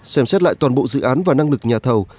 xem xét lại toàn bộ dự án và năng lực nhà thầu